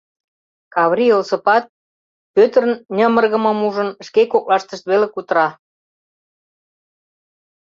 Каврий Осыпат, Пӧтыр ньымыргымым ужын, шке коклаштышт веле кутыра.